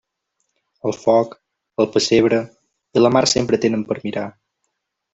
El foc, el pessebre i la mar sempre tenen per mirar.